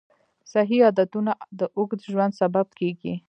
صحي عادتونه د اوږد ژوند سبب کېږي.